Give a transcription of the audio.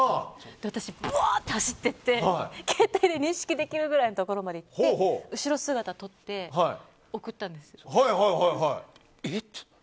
私、ぶわー！って走って携帯で認識できるところまで行って後ろ姿を撮って送ったんです。